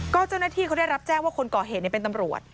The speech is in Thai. ก็เจ้าหน้าที่เขาได้รับแจ้งว่าคนก่อเหตุเป็นตำรวจ